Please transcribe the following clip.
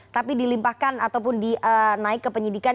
tapi dilimpahkan ataupun dinaik ke penyidikan